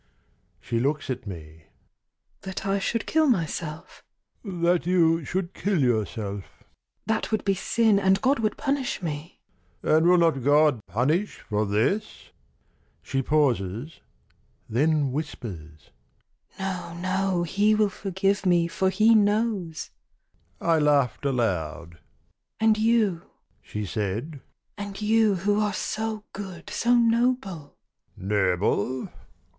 She looks at me. "That I should kill myself?"— "That you should kill yourself."—"That would be sin, And God would punish me!"—"And will not God Punish for this?" She pauses: then whispers: "No, no, He will forgive me, for He knows!" I laughed aloud: "And you," she said, "and you, Who are so good, so noble" ... "Noble?